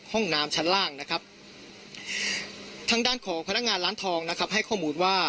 ห้องน้ำชั้นล่างนะครับทางด้านของพนักงานร้านทองนะครับให้ข้อมูลว่า